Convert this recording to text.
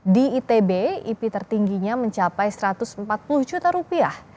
di itb ip tertingginya mencapai satu ratus empat puluh juta rupiah